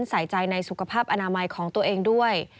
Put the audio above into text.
ใส่ใจในสุขภาพอนามัยของตัวเองด้วย